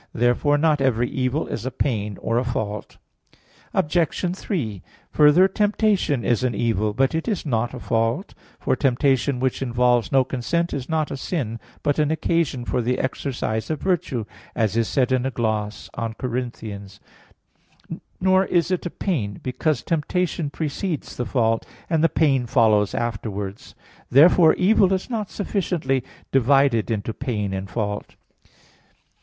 Therefore not every evil is a pain or a fault. Obj. 3: Further, temptation is an evil, but it is not a fault; for "temptation which involves no consent, is not a sin, but an occasion for the exercise of virtue," as is said in a gloss on 2 Cor. 12; not is it a pain; because temptation precedes the fault, and the pain follows afterwards. Therefore, evil is not sufficiently divided into pain and fault.